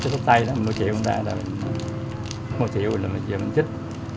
thuốc tay mình mua chịu mua chịu rồi mình trích